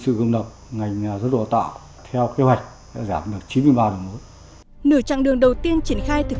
nghiệp công lập ngành giáo đô tạo theo kế hoạch giảm được chín mươi ba một nửa chặng đường đầu tiên triển khai thực